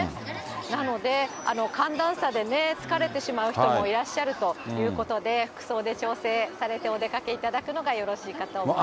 なので寒暖差でね、疲れてしまう人もいらっしゃるということで、服装で調整されてお出かけいただくのがよろしいかと思います。